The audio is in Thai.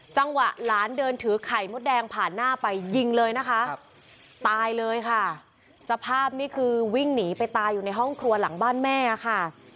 หลานเดินถือไข่มดแดงผ่านหน้าไปยิงเลยนะคะตายเลยค่ะสภาพนี่คือวิ่งหนีไปตายอยู่ในห้องครัวหลังบ้านแม่ค่ะ